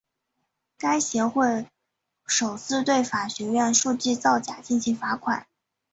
这是该协会首次对法学院数据造假进行罚款。